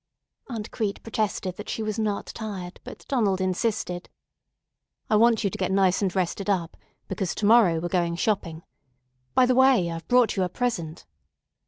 Aunt Crete protested that she was not tired, but Donald insisted. "I want you to get nice and rested up, because to morrow we're going shopping. By the way, I've brought you a present."